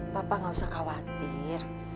papa gak usah khawatir